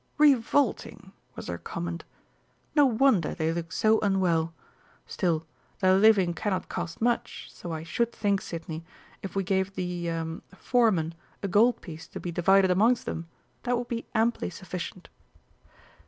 "Revolting!" was her comment. "No wonder they look so unwell! Still, their living cannot cost much, so I should think, Sidney, if we gave the er foreman a gold piece to be divided amongst them, that would be amply sufficient."